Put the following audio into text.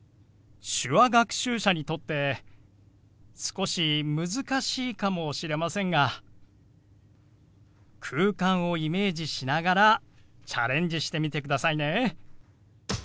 手話学習者にとって少し難しいかもしれませんが空間をイメージしながらチャレンジしてみてくださいね。